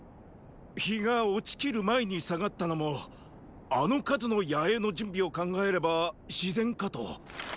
日が落ちきる前に退がったのもあの数の野営の準備を考えれば自然かと。